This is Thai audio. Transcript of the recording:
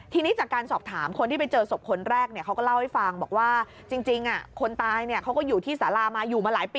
ทีนี้จากการสอบถามคนที่ไปเจอศพคนแรกเนี่ย